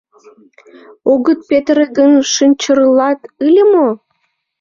Огыт петыре гын, шинчырлат ыле мо?